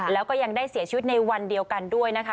แล้วก็ยังได้เสียชีวิตในวันเดียวกันด้วยนะคะ